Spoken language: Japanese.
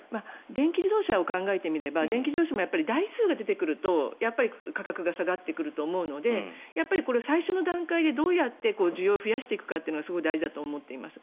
電気自動車を考えてみれば電気自動車も台数が出てくるとやっぱり価格が下がってくると最初の段階でどうやって需要を増やしていくかというのがすごく大事だと思います。